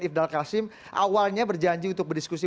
ifdal kasim awalnya berjanji untuk berdiskusi